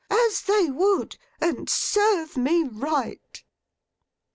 As they would! And serve me right!